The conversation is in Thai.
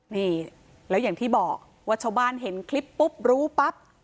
นี่แล้วอย่างที่บอกว่าชาวบ้านเห็นคลิปปุ๊บรู้ปั๊บ